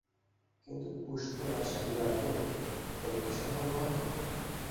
কিন্তু পুষ্পরাশাবিবাগ্নিঃ এও কি সম্ভব হয়।